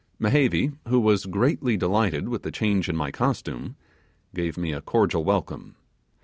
Mehevi, who was greatly delighted with the change in my costume, gave me a cordial welcome.